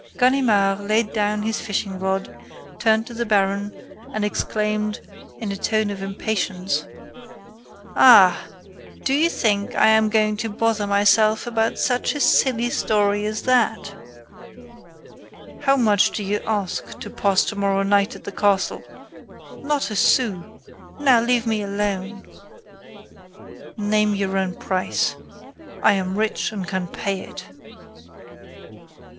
Ganimard laid down his fishing rod, turned to the baron, and exclaimed, in a tone of impatience: "Ah! Do you think I am going to bother myself about such a silly story as that!" "How much do you ask to pass tomorrow night in the castle?" "Not a sou. Now, leave me alone." "Name your own price. I am rich and can pay it."